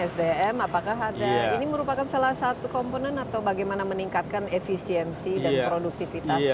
sdm apakah ada ini merupakan salah satu komponen atau bagaimana meningkatkan efisiensi dan produktivitas